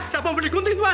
siapa mau beli gunting tuan